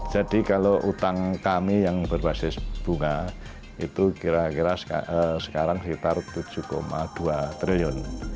jadi kalau hutang kami yang berbasis bunga itu kira kira sekarang sekitar tujuh dua triliun